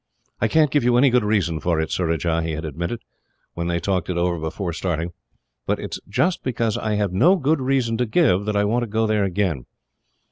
"I can't give any good reason for it, Surajah," he had admitted, when they talked it over before starting, "but it is just because I have no good reason to give, that I want to go there again.